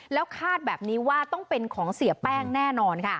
แล้วคาดแบบนี้ว่าต้องเป็นของเสียแป้งแน่นอนค่ะ